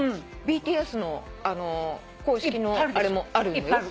ＢＴＳの公式のあれもあるんだよ。